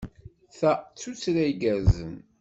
Ta d tuttra igerrzen.